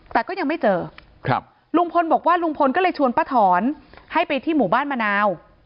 แต่ก็ยังไม่เจอครับลุงพลบอกว่าลุงพลก็เลยชวนป้าถอนให้ไปที่หมู่บ้านมะนาว